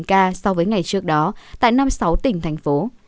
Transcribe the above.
năm trăm năm mươi chín ca so với ngày trước đó tại năm sáu tỉnh thành phố